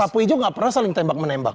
sapu ijuk nggak pernah saling tembak menembak